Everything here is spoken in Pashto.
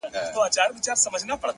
هره ستونزه پټ مهارت لري،